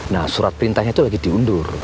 nah surat perintahnya itu lagi diundur